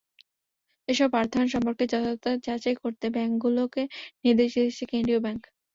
এসব অর্থায়ন সম্পর্কে যথার্থতা যাচাই করতে ব্যাংকগুলোকে নির্দেশ দিয়েছে কেন্দ্রীয় ব্যাংক।